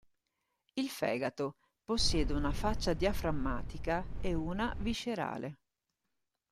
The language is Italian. Il fegato possiede una faccia diaframmatica e una viscerale.